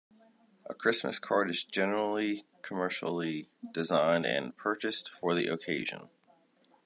A Christmas card is generally commercially designed and purchased for the occasion.